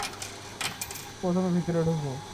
প্রথমে ভিতরে ঢুকো।